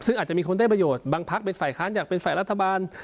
ซึ่งอาจจะมีคนได้ประโยชน์บางพักเป็นฝ่ายค้านอยากเป็นฝ่ายรัฐบาล